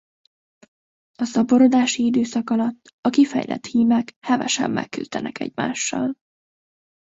A szaporodási időszak alatt a kifejlett hímek hevesen megküzdenek egymással.